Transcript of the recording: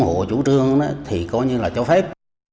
của chủ trương thì coi như là cho phép